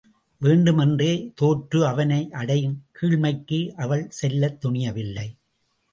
வேண்டுமென்றே தோற்று அவனை அடையும் கீழ்மைக்கு அவள் செல்லத் துணிய வில்லை.